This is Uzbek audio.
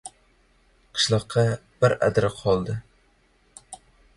Qishloqqa bir adir qoldi.